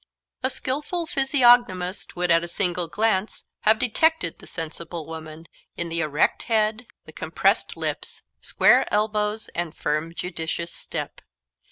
A skilful physiognomist would, at a single glance, have detected the sensible woman, in the erect head, the compressed lips, square elbows, and firm judicious step.